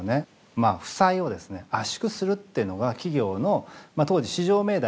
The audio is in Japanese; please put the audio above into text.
まあ負債をですね圧縮するっていうのが企業の当時至上命題なってったと。